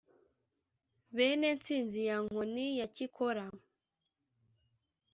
bene ntsinzi ya nkoni ya cyikora